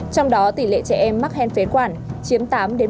trong đó tỷ lệ trẻ em mắc hen phế quản chiếm tám một mươi hai